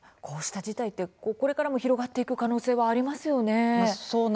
こうした事態はこれからも広がっていく可能性もありますよね。